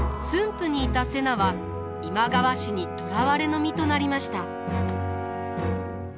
府にいた瀬名は今川氏に捕らわれの身となりました。